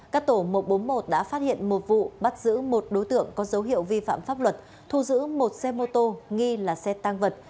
các tổ một trăm bốn mươi một đã phát hiện một vụ bắt giữ một đối tượng có dấu hiệu vi phạm pháp luật thu giữ một xe mô tô nghi là xe tăng vật